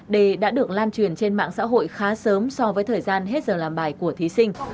d đã được lan truyền trên mạng xã hội khá sớm so với thời gian hết giờ làm bài của thí sinh